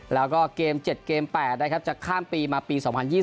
แล้วก็เกม๗เกม๘นะครับจะข้ามปีมาปี๒๐๒๐